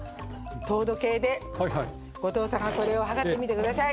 糖度計で後藤さんがこれを測ってみて下さい。